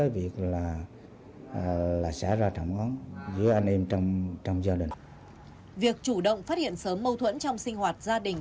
việc chủ động phát hiện sớm mâu thuẫn trong sinh hoạt gia đình